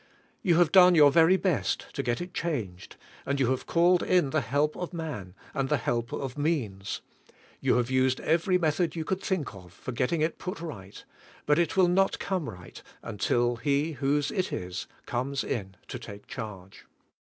You have done your very best to get it changed, and you have called in the help of man, and the help of means; you have used every method you coi:Id think of for getting it put right; but it will not come right until He whose it is, comes in to take charge.